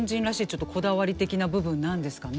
ちょっとこだわり的な部分なんですかね。